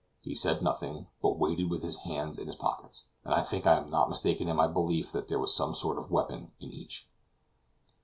He said nothing, but waited with his hands in his pockets, and I think I am not mistaken in my belief that there was some sort of a weapon in each.